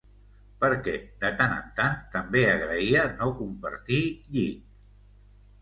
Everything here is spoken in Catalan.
Perquè, de tant en tant, també agraïa no compartir llit.